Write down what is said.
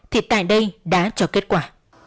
thì tại đây đã cho kết quả